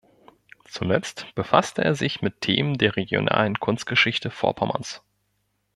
Zuletzt befasste er sich mit Themen der regionalen Kunstgeschichte Vorpommerns.